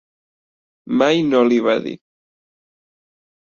Mai no l'hi va dir.